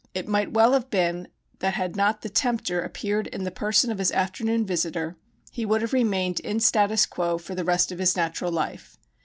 It might well have been that had not The Tempter appeared in the person of his afternoon visitor, he would have remained in status quo for the rest of his natural life.